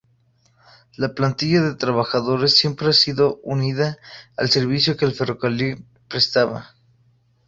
La plantilla de trabajadores siempre ha ido unida al servicio que el ferrocarril prestaba.